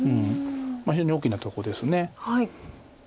非常に大きなとこです。